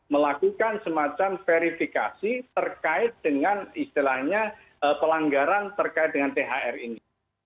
melakukan semacam verifikasi terkait dengan istilahnya pelanggaran terkait dengan thr ini